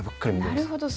なるほど。